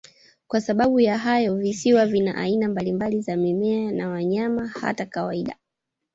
Kwa sababu ya hayo, visiwa vina aina mbalimbali za mimea na wanyama, hata kawaida.